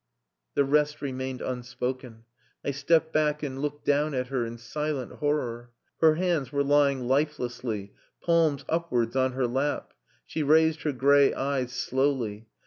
The rest remained unspoken. I stepped back and looked down at her, in silent horror. Her hands were lying lifelessly, palms upwards, on her lap. She raised her grey eyes slowly.